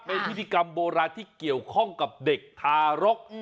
เป็นพิธีกรรมโบราณที่เกี่ยวข้องกับเด็กทารก